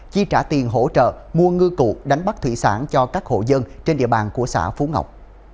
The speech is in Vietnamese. chi trả tiền hỗ trợ mua ngư cụ đánh bắt thủy sản cho các hộ dân trên địa bàn của xã phú ngọc